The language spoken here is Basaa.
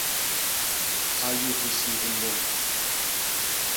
A yé hisit mbôñ.